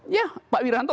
ya pak wiranto